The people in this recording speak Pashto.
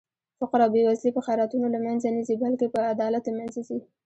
فقر او بې وزلي په خيراتونو لمنخه نه ځي بلکې په عدالت لمنځه ځي